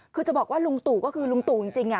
คือจะบอกว่าลุงตู่ก็คือลุงตู่จริง